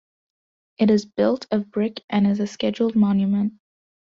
It is built of brick and is a scheduled monument.